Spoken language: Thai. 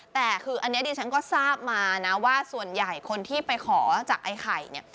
แต่คืออันนี้ดิฉันก็ทราบมานะว่าส่วนใหญ่คนที่ไปขอจากไอ้ไข่เนี่ย